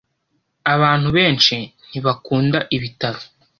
Abantu benshi ntibakunda ibitaro.